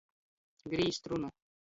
Grīzt runu.